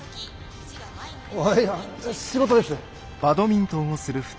いや仕事です。